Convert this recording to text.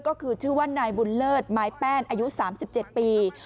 ก็คือชื่อว่านายบุญเลิศไม้แป้นอายุ๓๗ปี